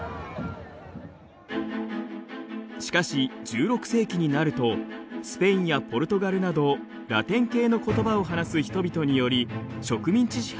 しかし１６世紀になるとスペインやポルトガルなどラテン系のことばを話す人々により植民地支配が行われました。